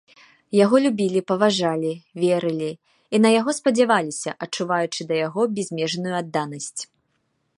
Яго любілі, паважалі, верылі і на яго спадзяваліся, адчуваючы да яго бязмежную адданасць.